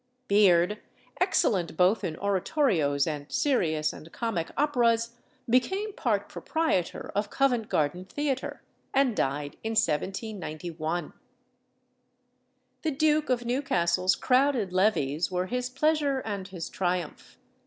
Beard, excellent both in oratorios and serious and comic operas, became part proprietor of Covent Garden Theatre, and died in 1791. The Duke of Newcastle's crowded levées were his pleasure and his triumph.